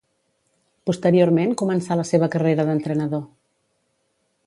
Posteriorment començà la seva carrera d'entrenador.